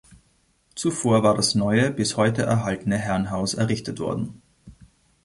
Zuvor war das neue, bis heute erhaltene Herrenhaus errichtet worden.